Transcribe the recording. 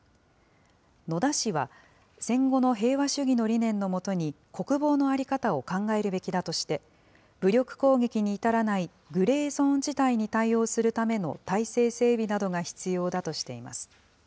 野田氏は、戦後の平和主義の理念のもとに、国防の在り方を考えるべきだとして、武力攻撃に至らないグレーゾーン事態に対応するための体制整備などが必要だとしています。